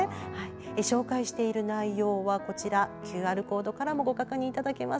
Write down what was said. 紹介している内容はＱＲコードからもご覧いただけます。